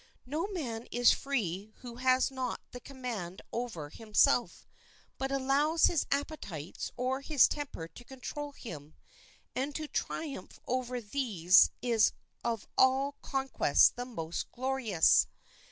No man is free who has not the command over himself, but allows his appetites or his temper to control him; and to triumph over these is of all conquests the most glorious.